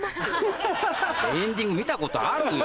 エンディング見たことあるよ。